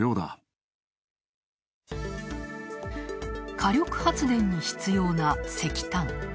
火力発電に必要な石炭。